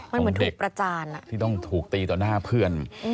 มันเหมือนถูกประจานที่ต้องถูกตีต่อหน้าเพื่อน